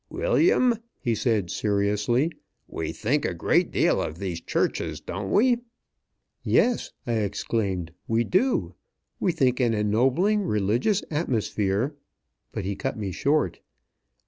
"William," he said, seriously, "we think a great deal of these churches, don't we?" "Yes!" I exclaimed. "We do! We think an ennobling religious atmosphere " But he cut me short.